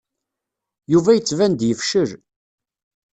Yuba yettban-d yefcel.